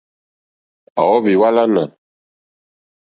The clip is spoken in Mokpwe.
À óhwì hwálánà.